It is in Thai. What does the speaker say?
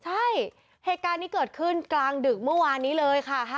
ใช่เหตุการณ์นี้เกิดขึ้นกลางดึกเมื่อวานนี้เลยค่ะ